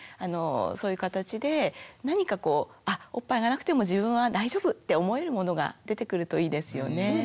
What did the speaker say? そういう形で何かこうおっぱいがなくても自分は大丈夫って思えるものが出てくるといいですよね。